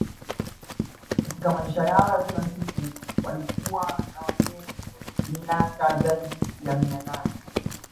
Katika maisha yao ya kila siku walikaa na wageni miaka zaidi ya mia nane